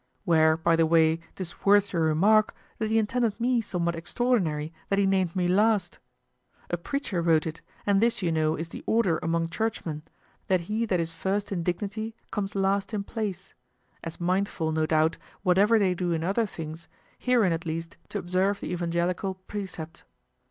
Where, by the way, 'tis worth your remark that he intended me somewhat extraordinary that he named me last. A preacher wrote it, and this you know is the order among churchmen, that he that is first in dignity comes last in place, as mindful, no doubt, whatever they do in other things, herein at least to observe the evangelical precept.